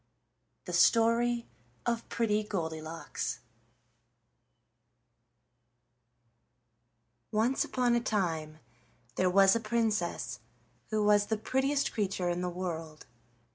THE STORY OF PRETTY GOLDILOCKS Once upon a time there was a princess who was the prettiest creature in the world.